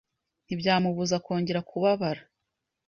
ntibyamubuza kongera kubabara